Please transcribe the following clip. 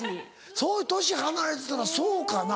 そう年離れてたらそうかな？